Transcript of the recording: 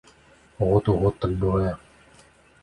Год у год так бывае.